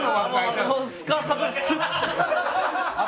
すかさずスッ！